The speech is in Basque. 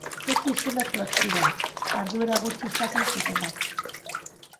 Etxe isolatuak ziren, jarduera gutxi izaten zutenak.